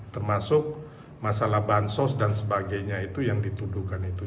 termasuk masalah bansos dan sebagainya itu yang dituduhkan itu